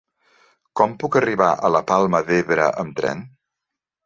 Com puc arribar a la Palma d'Ebre amb tren?